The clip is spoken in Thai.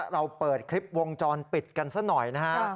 เราเปิดคลิปวงจรปิดกันซะหน่อยนะฮะ